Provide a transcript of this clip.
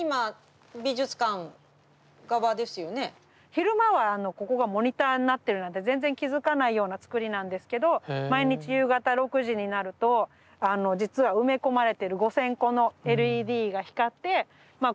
昼間はここがモニターになってるなんて全然気付かないようなつくりなんですけど毎日夕方６時になると実は埋め込まれてる５，０００個のＬＥＤが光ってまあ